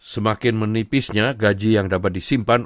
semakin menipisnya gaji yang dapat disimpan